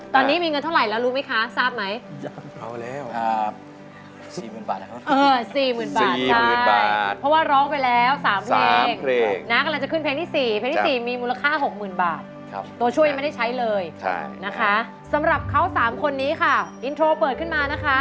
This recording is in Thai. ตอนนี้มีเงินเท่าไหร่แล้วรู้ไหมคะทราบไหม